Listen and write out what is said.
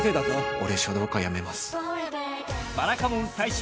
俺、書道家やめます。